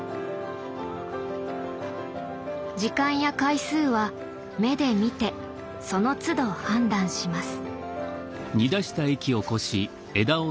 時間や回数は目で見てそのつど判断します。